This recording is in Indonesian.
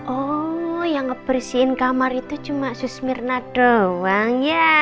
oh yang ngebersihin kamar itu cuma susmirna doang ya